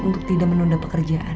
untuk tidak menunda pekerjaan